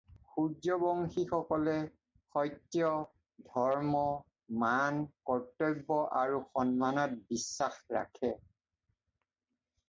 সূৰ্যবংশীসকলে সত্য, ধৰ্ম, মান, কৰ্ত্তব্য আৰু সন্মানত বিশ্বাস ৰাখে।